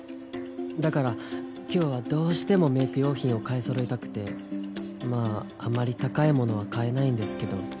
だから今日はどうしてもメイク用品を買いそろえたくて。まああまり高いものは買えないんですけど。